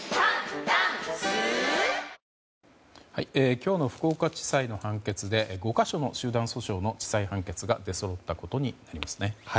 今日の福岡地裁の判決で５か所の集団訴訟の地裁判決が出そろったことになりますね。